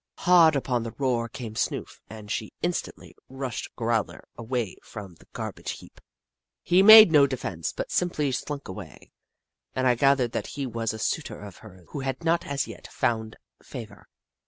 Hard upon the roar came Snoof, and she instantly rushed Growler away from the gar bage heap. He made no defence, but simply slunk away, and I gathered that he was a suitor of hers who had not as yet found fa vour.